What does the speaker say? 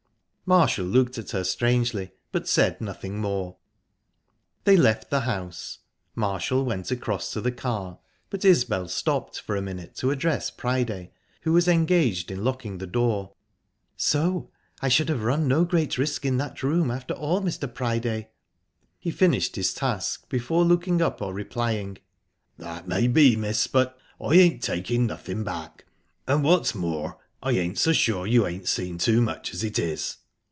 Marshall looked at her strangely, but said nothing more. They left the house. Marshall went across to the car, but Isbel stopped for a minute to address Priday, who was engaged in locking the door. "So I should have run no great risk in that room, after all, Mr. Priday?" He finished his task before looking up or replying. "That may be, miss but I ain't taking nothing back. And what's more, I ain't so sure you ain't seen too much, as it is."